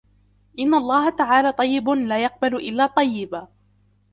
إِنَّ اللهَ تَعَالَى طَيِّبٌ لاَ يَقْبَلُ إِلاَّ طَيِّبًا،